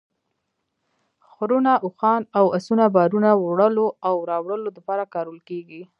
خرونه ، اوښان او اسونه بارونو وړلو او راوړلو دپاره کارول کیږي